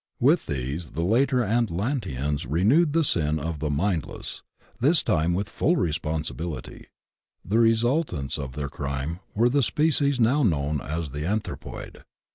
With these the later Atlanteans renewed the sin of the '^Mindless — this time with full responsibility. The re sultants of their crime were the species now known as the Anthropoid.